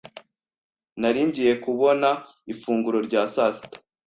Nari ngiye kubona ifunguro rya sasita.